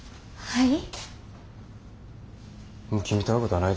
はい。